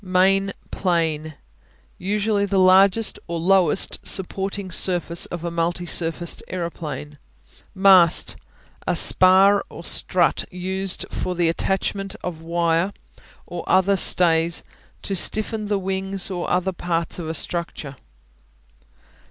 Main Plane Usually the largest or lowest supporting surface of a multi surfaced aeroplane. Mast A spar or strut used for the attachment of wire or other stays to stiffen the wings or other parts of a structure.